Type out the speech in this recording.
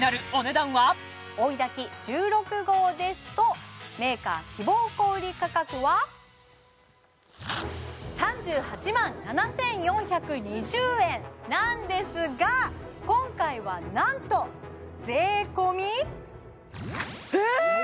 追いだき１６号ですとメーカー希望小売価格はなんですが今回はなんと税込えっ！